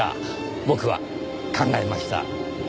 僕は考えました。